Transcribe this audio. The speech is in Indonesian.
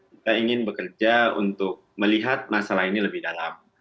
kita ingin bekerja untuk melihat masalah ini lebih dalam